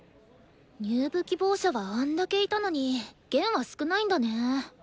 入部希望者はあんだけいたのに弦は少ないんだね。